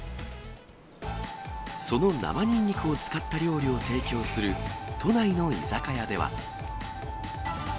その生ニンニクを使った料理を提供する、都内の居酒屋では。